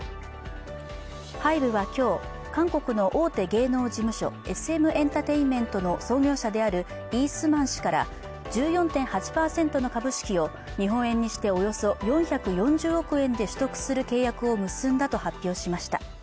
ＨＹＢＥは今日、韓国の大手芸能事務所Ｓ．Ｍ．ｅｎｔｅｒｔａｉｎｍｅｎｔの創業者であるイ・スマン氏から１４．８％の株式を、日本円にしておよそ４４０億円で取得する契約を結んだと発表しました。